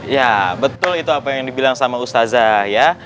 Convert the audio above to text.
ya betul itu apa yang dibilang sama ustazah ya